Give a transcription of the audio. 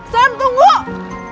sam tunggu sam